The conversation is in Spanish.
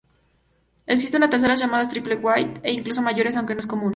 Existen unas terceras llamadas "triple wide" e incluso mayores, aunque no es común.